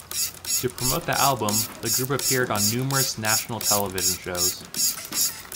To promote the album, the group appeared on numerous national television shows.